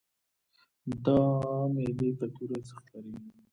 دا میلې کلتوري ارزښت لري.